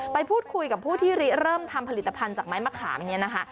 ไปพูดคุยกับผู้ที่เริ่มทำผลิตภัณฑ์จากไม้มะขามเนี่ยนะคะ